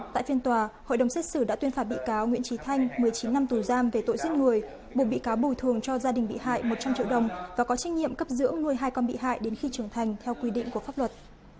tại phiên tòa hội đồng xét xử đã tuyên phạt bị cáo nguyễn trí thanh một mươi chín năm tù giam về tội giết người buộc bị cáo bồi thường cho gia đình bị hại một trăm linh triệu đồng và có trách nhiệm cấp dưỡng nuôi hai con bị hại đến khi trưởng thành theo quy định của pháp luật